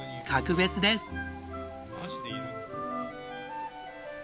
格別です！